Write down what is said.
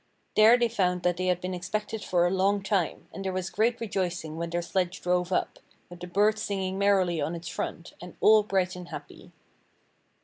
There they found that they had been expected for a long time, and there was great rejoicing when their sledge drove up, with the birds singing merrily on its front, and all bright and happy.